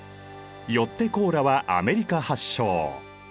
よってコーラはアメリカ発祥。